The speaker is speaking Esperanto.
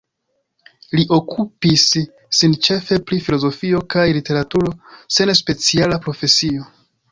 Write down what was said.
Li okupis sin ĉefe pri filozofio kaj literaturo, sen speciala profesio.